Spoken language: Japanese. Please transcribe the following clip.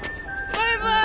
バイバイ！